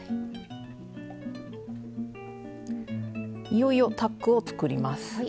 いよいよタックを作ります。